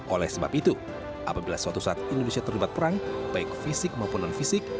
oleh sebab itu apabila suatu saat indonesia terlibat perang baik fisik maupun non fisik